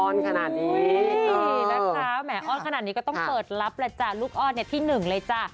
อ้อนขนาดนี้อ้อนขนาดนี้ก็ต้องเปิดลับแหละจ้ะลูกอ้อนเนี่ยที่หนึ่งเลยจ้ะ